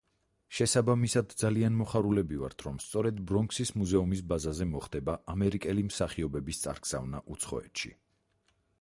შესაბამისად, ძალიან მოხარულები ვართ, რომ სწორედ ბრონქსის მუზეუმის ბაზაზე მოხდება ამერიკელი მსახიობების წარგზავნა უცხოეთში.